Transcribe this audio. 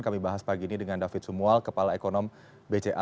kami bahas pagi ini dengan david sumual kepala ekonom bca